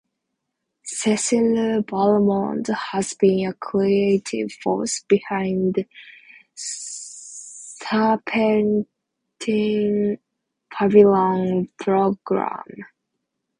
Cecil Balmond has been a creative force behind Serpentine Pavilion programme.